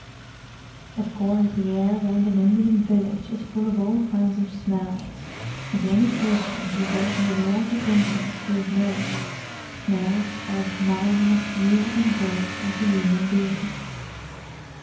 Of course the air round an Indian village is full of all kinds of smells, and to any creature who does nearly all his thinking through his nose, smells are as maddening as music and drugs are to human beings.